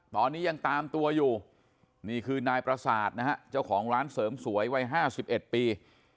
ตอนนี้ยังตามตัวอยู่นี่คือนายประสาทนะฮะเจ้าของร้านเสริมสวยวัย๕๑ปี